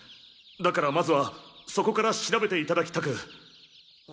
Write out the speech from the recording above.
だからまずはそこから調べて頂きたく。